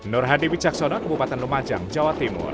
nur hadi wicaksono kabupaten lumajang jawa timur